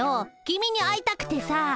君に会いたくてさ。